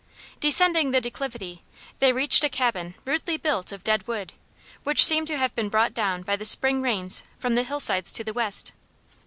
Descending the declivity, they reached a cabin rudely built of dead wood, which seemed to have been brought down by the spring rains from the hill sides to the west.